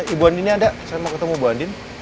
ibu andinnya ada saya mau ketemu bu andin